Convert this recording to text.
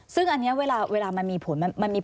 ซึ่งอันนี้เวลามันมีผล